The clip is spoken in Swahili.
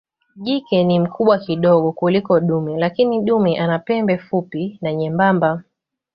Jike ni mkubwa kidogo kuliko dume lakini dume ana pembe fupi na nyembamba.